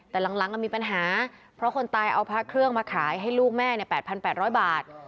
แต่หลังมีปัญหาเพราะคนตายเอาพระเครื่องมาขายให้ลูกแม่๘๘๐๐บาท